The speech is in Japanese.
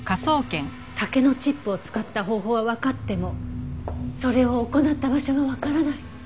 竹のチップを使った方法はわかってもそれを行った場所がわからない。